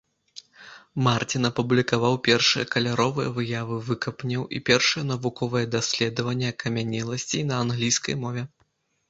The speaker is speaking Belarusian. Марцін апублікаваў першыя каляровыя выявы выкапняў і першае навуковае даследаванне акамянеласцей на англійскай мове.